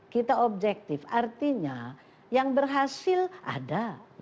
kita objektif artinya yang berhasil ada